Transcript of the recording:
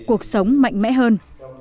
và cuộc sống mạnh mẽ hơn